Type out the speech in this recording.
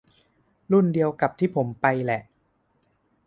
รุ่นเดียวกับที่ผมไปแหละ